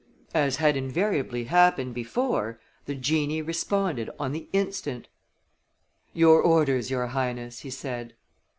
As had invariably happened before, the genie responded on the instant. "Your orders, your Highness," he said.